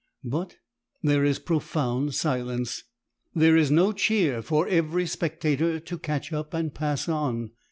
But there is profound silence. There is no cheer for every spectator to catch up and pass on.